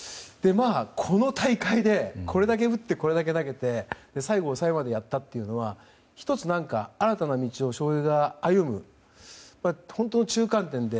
この大会でこれだけ打ってこれだけ投げて最後、抑えまでやったというのは新たな道を翔平が歩む中間点で。